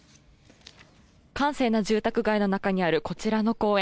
閑静な住宅街の中にあるこちらの公園。